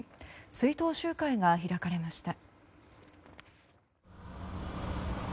追悼集会が開かれました。